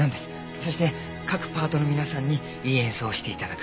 そして各パートの皆さんにいい演奏をして頂く。